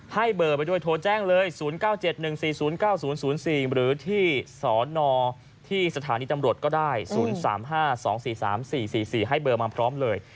ให้เบอร์ไปด้วยโทรแจ้งเลย๐๙๗๑๔๐๙๐๐๔หรือที่สนที่สถานีตำรวจก็ได้๐๓๕๒๔๓๔๔๔ให้เบอร์มาพร้อมเลย